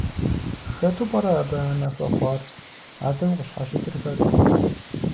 Хэту пӏэрэ абы анэ хуэхъуар, адэу къыщхьэщытыр хэт?